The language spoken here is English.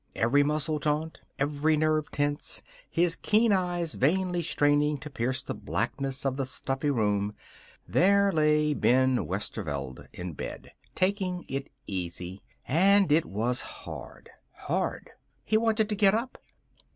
Every muscle taut, every nerve tense, his keen eyes vainly straining to pierce the blackness of the stuffy room there lay Ben Westerveld in bed, taking it easy. And it was hard. Hard. He wanted to get up.